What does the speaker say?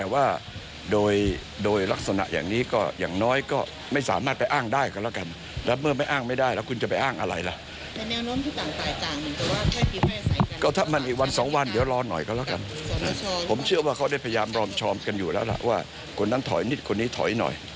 ว่าคนนั้นถอยนิดคนนี้ถอยหน่อย